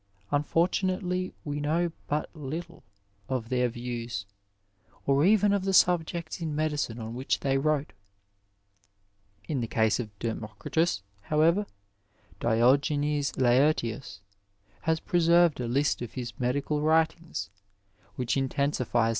Unfortunately we know but little of their views, or even of the subjects in medicine on which they wrote. In the case of Democritus, however, Diogenes Laertius has pre served a list of his medical writings, which intensifies the 1 JofaiiB Hopkins Hospital Historioal Club, 1893.